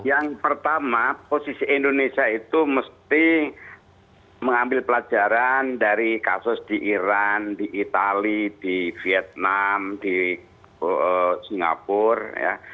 yang pertama posisi indonesia itu mesti mengambil pelajaran dari kasus di iran di itali di vietnam di singapura ya